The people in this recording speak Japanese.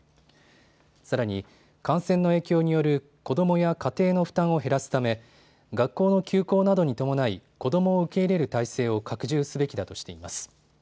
さらに感染の影響による子どもや家庭の負担を減らすため学校の休校などに伴い、子どもを受け入れる体制を拡充すべきだとしています。